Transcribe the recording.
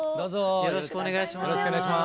よろしくお願いします。